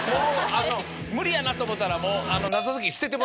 無理やなと思ったらもう。